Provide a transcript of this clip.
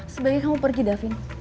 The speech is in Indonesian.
sebaiknya kamu pergi davie